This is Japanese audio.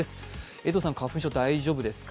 江藤さん、花粉症大丈夫ですか？